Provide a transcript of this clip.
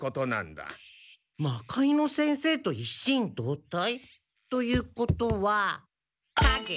魔界之先生と一心同体？ということはかげ！